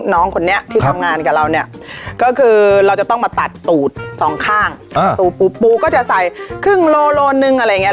น้องคนนี้ที่ทำงานกับเราเนี่ยก็คือเราจะต้องมาตัดตูดสองข้างตูดปูก็จะใส่ครึ่งโลโลหนึ่งอะไรอย่างนี้